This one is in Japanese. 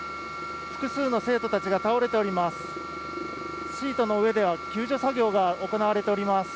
複数の生徒たちが倒れています。